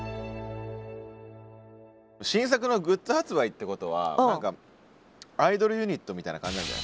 「新作のグッズ発売」ってことは何かアイドルユニットみたいな感じなんじゃないですか？